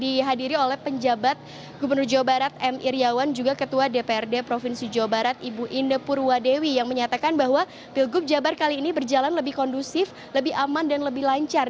dihadiri oleh penjabat gubernur jawa barat m iryawan juga ketua dprd provinsi jawa barat ibu inde purwadewi yang menyatakan bahwa pilgub jabar kali ini berjalan lebih kondusif lebih aman dan lebih lancar